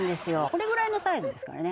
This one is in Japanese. これぐらいのサイズですからね